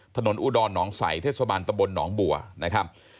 อุดรหนองใสเทศบาลตะบลหนองบัวนะครับ